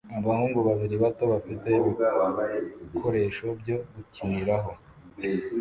Abahungu babiri bato bafite ibikoresho byo gukiniraho